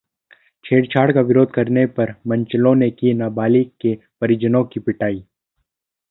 छेड़छाड़ का विरोध करने पर मनचलों ने की नाबालिग के परिजनों की पिटाई